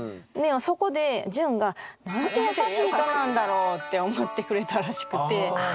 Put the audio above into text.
そこでジュンが「なんて優しい人なんだろう」って思ってくれたらしくて。